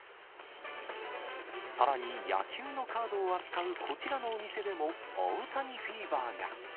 さらに、野球のカードを扱うこちらのお店でも大谷フィーバーが。